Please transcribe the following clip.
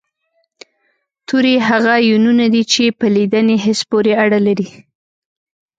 توري هغه يوونونه دي چې په لیدني حس پورې اړه لري